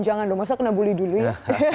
jangan dong masa kena bully dulu ya